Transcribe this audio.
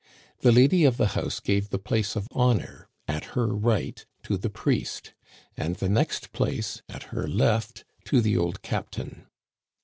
The lady of the house gave the place of honor at her right to the priest, and the next place, at her left, to the old captain.